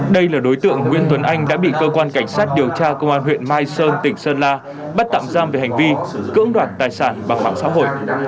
đây là đối tượng nguyễn tuấn anh đã bị cơ quan cảnh sát điều tra công an huyện mai sơn tỉnh sơn la bắt tạm giam về hành vi cưỡng đoạt tài sản bằng mạng xã hội